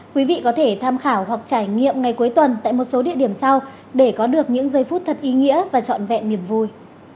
quý vị có thể tham khảo hoặc trải nghiệm ngày cuối tuần tại một số địa điểm sau để có được những giây phút thật ý nghĩa và trọn vẹn niềm vui